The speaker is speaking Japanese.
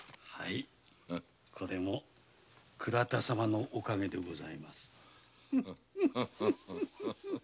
これも倉田様のお陰でございます。